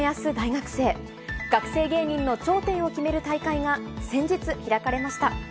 学生芸人の頂点を決める大会が先日開かれました。